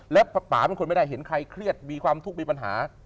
แล้วป่าเป็นคนไม่ได้เห็นใครเครียดมีความทุกข์มีปัญหา